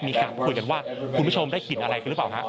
มีการคุยกันว่าคุณผู้ชมได้กลิ่นอะไรกันหรือเปล่าฮะ